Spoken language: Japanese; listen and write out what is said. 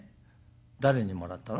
誰にもらったの？」。